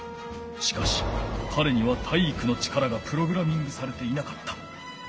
しかしかれには体育の力がプログラミングされていなかった。